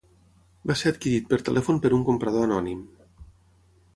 Va ser adquirit per telèfon per un comprador anònim.